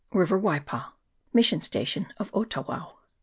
River Waipa Mission Station of Otawao.